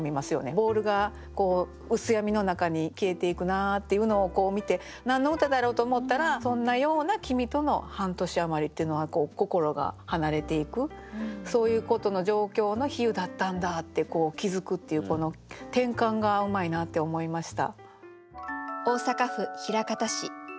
ボールが薄闇の中に消えていくなっていうのを見て何の歌だろう？と思ったらそんなような「きみとの半年あまり」っていうのは心が離れていくそういうことの状況の比喩だったんだって気付くっていうこの転換がうまいなって思いました。